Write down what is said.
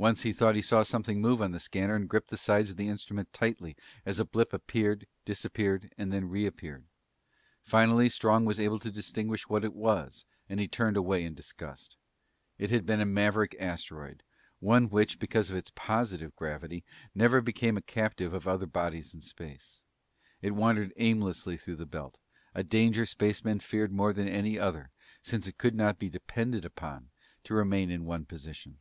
Once he thought he saw something move on the scanner and gripped the sides of the instrument tightly as a blip appeared, disappeared, and then reappeared. Finally Strong was able to distinguish what it was and he turned away in disgust. It had been a maverick asteroid, one which, because of its positive gravity, never became a captive of other bodies in space. It wandered aimlessly through the belt, a danger spacemen feared more than any other, since it could not be depended upon to remain in one position.